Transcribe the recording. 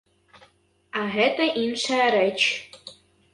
А гэта іншая рэч.